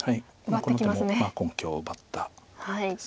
この手も根拠を奪った手です。